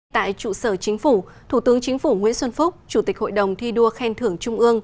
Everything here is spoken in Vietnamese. tại trụ sở chính phủ thủ tướng chính phủ nguyễn xuân phúc chủ tịch hội đồng thi đua khen thưởng trung ương